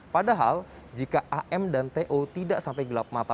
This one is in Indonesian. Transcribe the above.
padahal jika am dan to tidak sampai gelap mata